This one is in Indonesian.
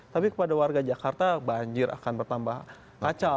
tapi kepada warga jakarta banjir akan bertambah kacau